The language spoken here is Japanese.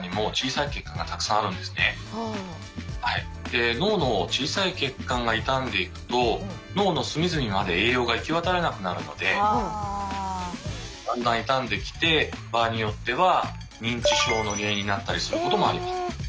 で脳の小さい血管が傷んでいくと脳の隅々まで栄養が行き渡らなくなるのでだんだん傷んできて場合によっては認知症の原因になったりすることもあります。